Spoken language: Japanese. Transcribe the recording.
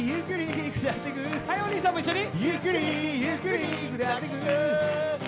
はいおにいさんも一緒に。